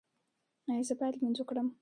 ایا زه باید لمونځ وکړم؟